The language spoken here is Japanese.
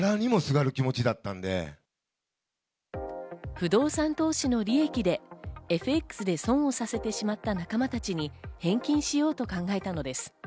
不動産投資の利益でＦＸで損をさせてしまった仲間たちに返金しようと考えたのです。